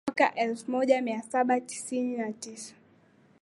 Mwaka elfu moja mia saba tisini na tisa